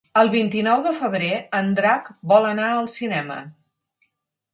El vint-i-nou de febrer en Drac vol anar al cinema.